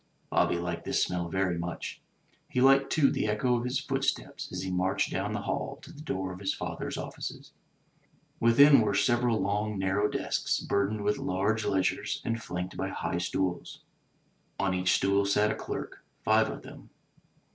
Bobby liked this smell very much. He liked, too, the echo of his footsteps as he marched down the hall to the door of his father's offices. Within were several long, narrow desks burdened with large ledgers and flanked by high stools. On each stool sat a clerk — five of them.